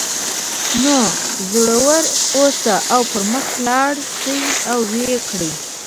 نو زړور اوسئ او پر مخ لاړ شئ او ویې کړئ